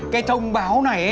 cái thông báo này